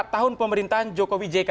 tahun pemerintahan jokowi jk